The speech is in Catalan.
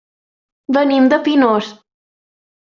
Venim de Pinós.